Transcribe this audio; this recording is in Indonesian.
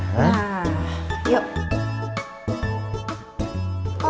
tempat dia dirawat besok